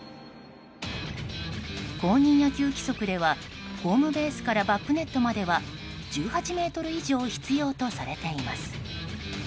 公認野球規則ではホームベースからバックネットまでは１８ｍ以上必要とされています。